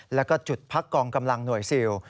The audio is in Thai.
แล้วก็จุดพักกองกำลังหน่วยซิล